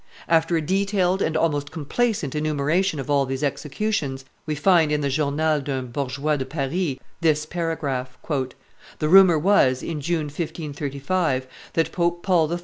After a detailed and almost complacent enumeration of all these executions, we find in the Journal d'un Bourgeois de Paris this paragraph: "The rumor was, in June, 1535, that Pope Paul III.